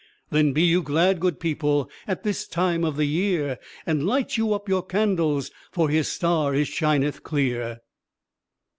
Then be you glad, good people, At this time of the year; And light you up your candles, For His star it shineth clear.